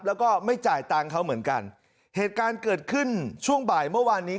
แล้วก็ไม่จ่ายตังค์เขาเหมือนกันเหตุการณ์เกิดขึ้นช่วงบ่ายเมื่อวานนี้